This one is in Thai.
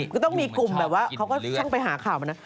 ก็ต้องมีกลุ่มแบบว่าเขาก็ช่างไปหาข่าวมานะ